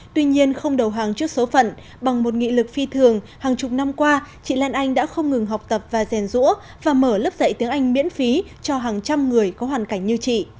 tuy nhiên không đầu hàng trước số phận bằng một nghị lực phi thường hàng chục năm qua chị lan anh đã không ngừng học tập và rèn rũa và mở lớp dạy tiếng anh miễn phí cho hàng trăm người có hoàn cảnh như chị